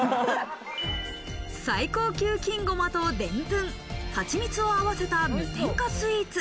最高級金ごまとでんぷん、ハチミツを合わせた無添加スイーツ。